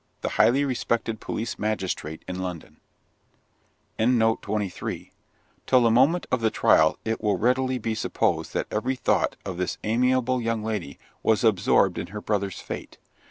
the highly respected police magistrate in London. Till the moment of the trial, it will readily be supposed that every thought of this amiable young lady was absorbed in her brother's fate.